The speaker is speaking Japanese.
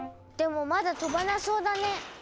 でもまだ飛ばなそうだね。